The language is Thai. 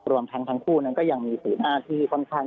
ส่วนทั้งทั้งคู่ก็ยังมีสื่อหน้าที่ค่อนข้าง